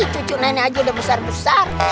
cucu nenek aja udah besar besar